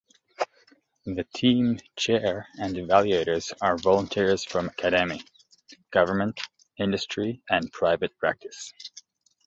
The team chair and evaluators are volunteers from academe, government, industry, and private practice.